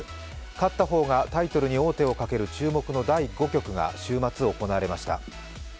勝った方がタイトルに王手をかける注目の第５局が週末行われました。